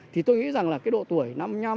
thì tôi nghĩ rằng độ tuổi năm mươi năm sáu mươi